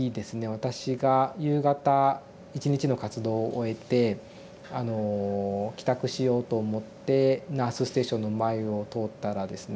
私が夕方一日の活動を終えて帰宅しようと思ってナースステーションの前を通ったらですね